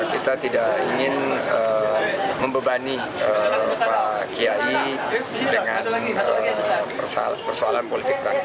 kita tidak ingin membebani pak kiai dengan persoalan politik praktis